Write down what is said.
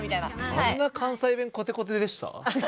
あんな関西弁コテコテでした？